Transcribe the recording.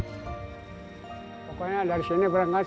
pokoknya dari sini berangkatnya